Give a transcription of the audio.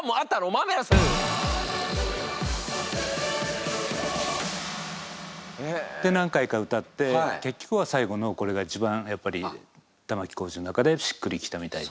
マーベラス！で何回か歌って結局は最後のこれが一番やっぱり玉置浩二の中でしっくり来たみたいで。